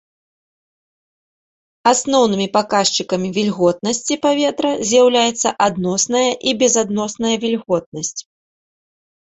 Асноўнымі паказчыкамі вільготнасці паветра з'яўляюцца адносная і безадносная вільготнасць.